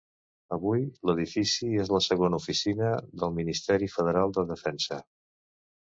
Avui, l'edifici és la segona oficina del Ministeri Federal de Defensa.